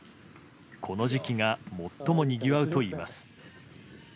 この時期が最も、にぎわうといいます。